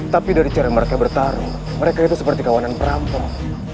tapi dari cara mereka bertarung mereka itu seperti kawanan perampong